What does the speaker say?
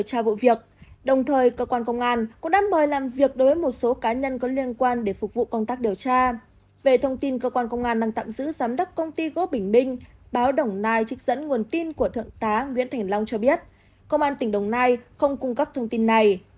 về thông tin cơ quan công an đang tạm giữ giám đốc công ty gỗ bình minh báo đồng nai trích dẫn nguồn tin của thượng tá nguyễn thành long cho biết công an tỉnh đồng nai không cung cấp thông tin này